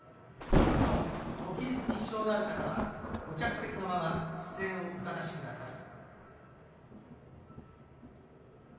なお、ご起立に支障のある方はご着席のまま姿勢をお正しください。